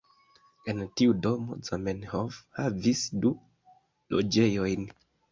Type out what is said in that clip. En tiu domo Zamenhof havis du loĝejojn.